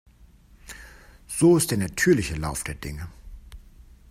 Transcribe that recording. So ist der natürliche Lauf der Dinge.